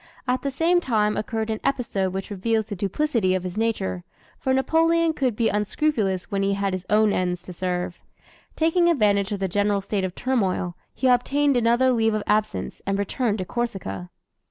At the same time occurred an episode which reveals the duplicity of his nature for Napoleon could be unscrupulous when he had his own ends to serve. Taking advantage of the general state of turmoil he obtained another leave of absence, and returned to Corsica.